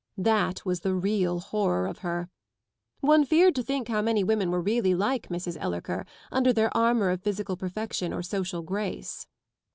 That was the real horror of her. One feared to think how many women were really like Mrs. Ellerker under their armour of physical perfection or social grace.